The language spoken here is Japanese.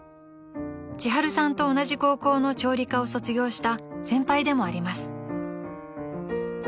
［ちはるさんと同じ高校の調理科を卒業した先輩でもあります］